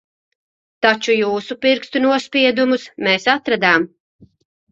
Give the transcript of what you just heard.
Taču jūsu pirkstu nospiedumus mēs atradām.